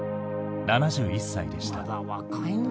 ７１歳でした。